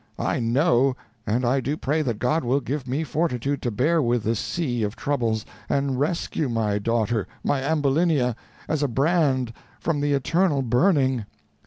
I know, and I do pray that God will give me fortitude to bear with this sea of troubles, and rescue my daughter, my Ambulinia, as a brand from the eternal burning."